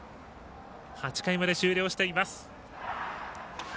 ８回まで終了しています。